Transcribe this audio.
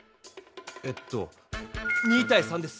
えっと２対３です。